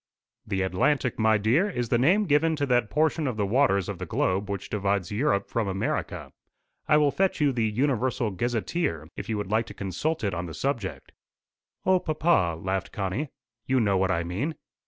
"The Atlantic, my dear, is the name given to that portion of the waters of the globe which divides Europe from America. I will fetch you the Universal Gazetteer, if you would like to consult it on the subject." "O papa!" laughed Connie; "you know what I mean."